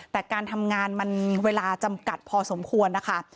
แต่การทำงานมันเวลาจำกัดพอสมควรนะคะ